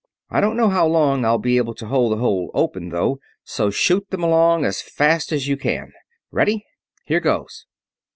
I don't know how long I'll be able to hold the hole open, though, so shoot them along as fast as you can. Ready? Here goes!"